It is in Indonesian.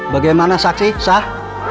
bagaimana saksi sah